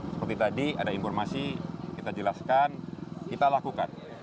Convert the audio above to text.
seperti tadi ada informasi kita jelaskan kita lakukan